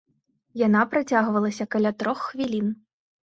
Яна працягвалася каля трох хвілін.